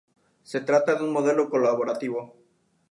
Se trata de un modelo colaborativo.